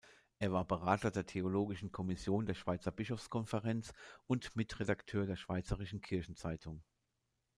Er war Berater der theologischen Kommission der Schweizer Bischofskonferenz und Mitredakteur der Schweizerischen Kirchenzeitung.